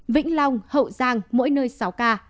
vĩnh long hậu giang mỗi nơi sáu ca